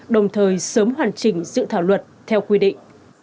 đồng thời sớm hoàn chỉnh dự thảo luật theo quy định